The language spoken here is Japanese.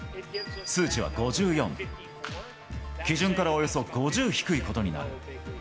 数値は５４、基準からおよそ５０低いことになる。